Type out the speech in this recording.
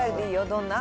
どんな？